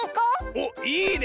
おっいいね！